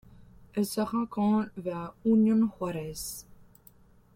Elle se rencontre vers Unión Juárez.